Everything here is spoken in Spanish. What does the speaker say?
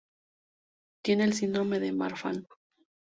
Tiene el síndrome de Marfan.